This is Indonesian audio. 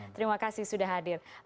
terima kasih sudah hadir